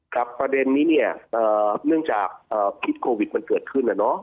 ครับประเด็นนี้เนี่ยเนื่องจากคิดโควิดมันเกิดขึ้นนะเนาะ